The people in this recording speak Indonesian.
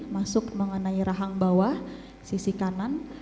masuk mengenai rahang bawah sisi kanan